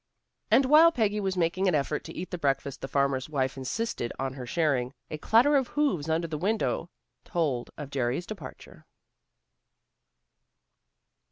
And while Peggy was making an effort to eat the breakfast the farmer's wife insisted on her sharing, a clatter of hoofs under the window told of Jerry's departure.